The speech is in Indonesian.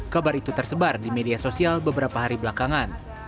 kabar itu tersebar di media sosial beberapa hari belakangan